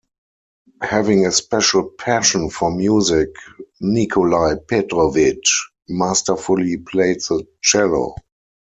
Having a special passion for music, Nikolai Petrovich masterfully played the cello.